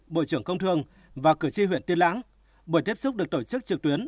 bộ trưởng công thương và cửa chi huyện tiên lãng buổi tiếp xúc được tổ chức trực tuyến